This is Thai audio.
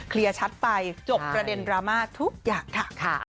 ชัดไปจบประเด็นดราม่าทุกอย่างค่ะ